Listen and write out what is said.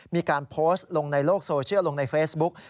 มีการโพสต์ลงในโลกโซเชียลลงในเฟซบุ๊ก